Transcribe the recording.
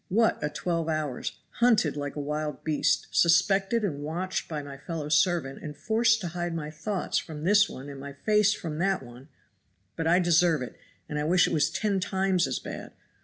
What a twelve hours! hunted like a wild beast, suspected and watched by my fellow servant and forced to hide my thoughts from this one and my face from that one; but I deserve it and I wish it was ten times as bad.